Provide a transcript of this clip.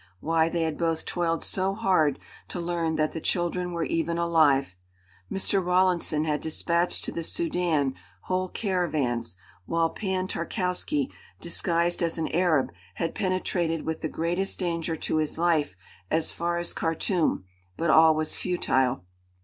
Why, they had both toiled so hard to learn that the children were even alive! Mr. Rawlinson had despatched to the Sudân whole caravans, while Pan Tarkowski, disguised as an Arab, had penetrated with the greatest danger to his life as far as Khartûm, but all was futile.